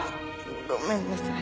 ごめんなさい。